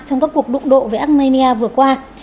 trong các cuộc đụng độ với armenia vừa qua